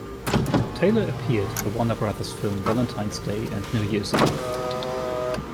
Taylor appeared in the Warner Brothers films "Valentine's Day" and "New Year's Eve".